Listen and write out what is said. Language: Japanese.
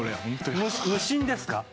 無心ですか？